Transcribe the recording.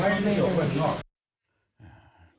ไม่รักตามน้ำใจ